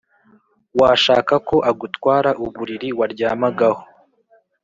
washaka ko agutwara uburiri waryamagaho’